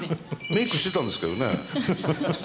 メイクしてたんですけどね。